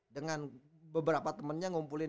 dengan beberapa temennya ngumpulin